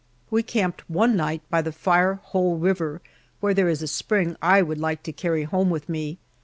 We camped one night by the Fire Hole River, where there is a spring I would like to carry home with me!